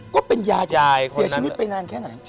ก็เป็นยายเสียชีวิตไปนานแค่ไหน